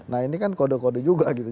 nah ini kan kode kode juga gitu